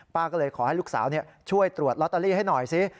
ก็เลยขอให้ลูกสาวช่วยตรวจลอตเตอรี่ให้หน่อยสิ